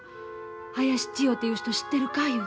林千代という人知ってるかいうて。